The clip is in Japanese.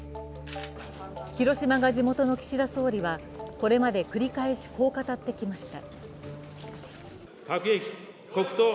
広島が地元の岸田総理は、これまで繰り返し、こう語ってきました。